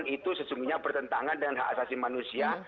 karena itu sesungguhnya bertentangan dengan hak asasi manusia